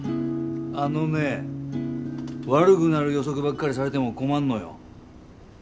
あのね悪ぐなる予測ばっかりされでも困んのよ。